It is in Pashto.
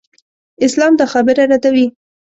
اسلام دا خبره ردوي.